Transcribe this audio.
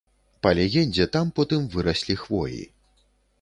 Па легендзе, там потым выраслі хвоі.